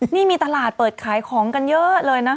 นี่มีตลาดเปิดขายของกันเยอะเลยนะคะ